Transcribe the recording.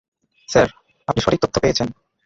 Sir, আপনি সঠিক তথ্য পেয়েছে।